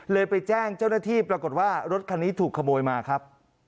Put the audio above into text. ไปแจ้งเจ้าหน้าที่ปรากฏว่ารถคันนี้ถูกขโมยมาครับ